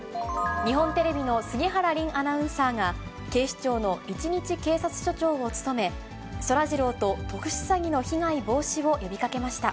日本テレビの杉原凜アナウンサーが、警視庁の一日警察署長を務め、そらジローと特殊詐欺の被害防止を呼びかけました。